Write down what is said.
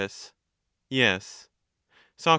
Yes. Soc.